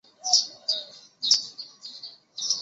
瓦尔斯莱本是德国勃兰登堡州的一个市镇。